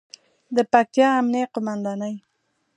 د پکتیا امنیې قوماندانۍ